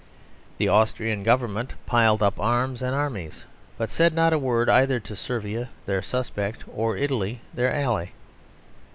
The Austrian Government piled up arms and armies, but said not a word either to Servia their suspect or Italy their ally.